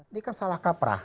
ini kan salah kaprah